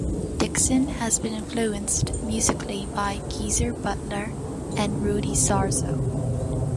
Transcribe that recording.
Dixon has been influenced musically by Geezer Butler and Rudy Sarzo.